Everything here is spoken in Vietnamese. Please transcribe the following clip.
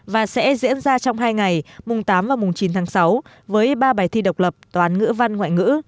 và sẽ diễn ra trong hai ngày mùng tám và mùng chín tháng sáu với ba bài thi độc lập toán ngữ văn ngoại ngữ